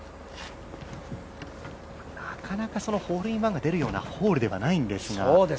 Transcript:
なかなか、ホールインワンが出るようなホールではないんですが。